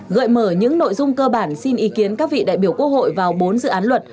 gợi mở những nội dung cơ bản xin ý kiến các vị đại biểu quốc hội vào bốn dự án luật